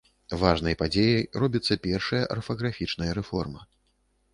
Важнай падзеяй робіцца першая арфаграфічная рэформа.